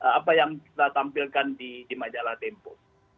apa yang kita tampilkan di majalah tempo